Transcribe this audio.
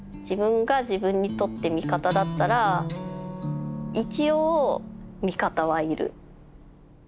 自分が自分にとって味方だったら一応味方はいる。